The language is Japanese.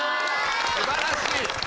すばらしい！